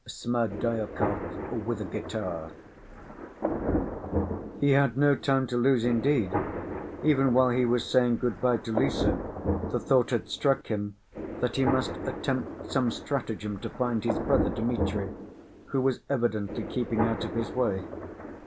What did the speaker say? Smerdyakov With A Guitar He had no time to lose indeed. Even while he was saying good‐by to Lise, the thought had struck him that he must attempt some stratagem to find his brother Dmitri, who was evidently keeping out of his way.